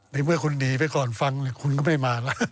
ในเมื่อคุณหนีไปก่อนฟังคุณก็ไม่มาแล้ว